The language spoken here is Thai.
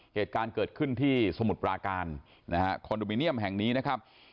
เหตุการณ์เกิดขึ้นที่สมุทรปราการนะฮะคอนโดมิเนียมแห่งนี้นะครับ